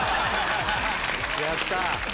やったー。